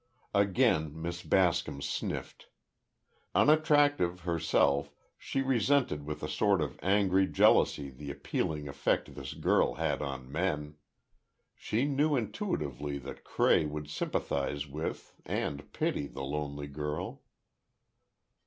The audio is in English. Again Miss Bascom sniffed. Unattractive, herself, she resented with a sort of angry jealousy the appealing effect this girl had on men. She knew intuitively that Cray would sympathize with and pity the lonely girl.